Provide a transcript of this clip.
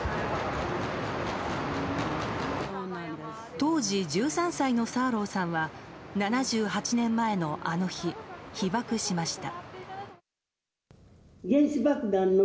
当時１３歳のサーローさんは７８年前のあの日、被爆しました。